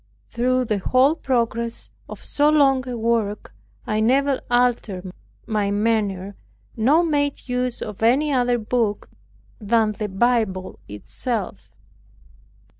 Through the whole progress of so long a work I never altered my manner nor made use of any other book than the Bible itself.